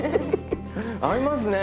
合いますね！